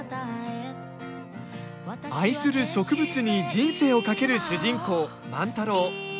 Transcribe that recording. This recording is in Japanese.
愛する植物に人生を懸ける主人公万太郎。